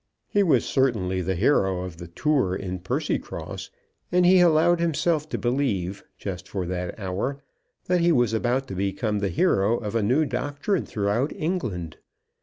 He was certainly the hero of the tour in Percycross, and he allowed himself to believe, just for that hour, that he was about to become the hero of a new doctrine throughout England.